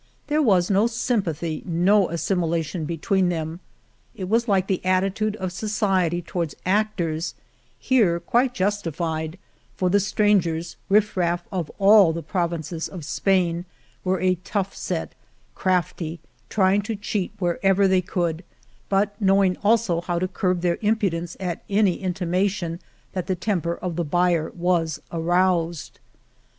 There was no sympathy, no assimilation between them. It was like the attitude of society toward actors, here quite justified, for the strangers, riffraff of all provinces of Spain, were a tough set, crafty, trying to cheat wherever they could, but knowing also how to curb their impudence at any intimation that the temper of the buyer was aroused.